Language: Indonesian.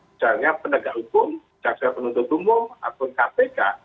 misalnya pendagang hukum jaksa penuntut umum akun kpk